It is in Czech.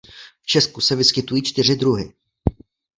V Česku se vyskytují čtyři druhy.